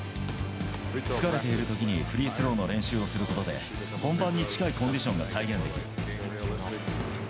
疲れているときに、フリースローの練習をすることで、本番に近いコンディションが再現できる。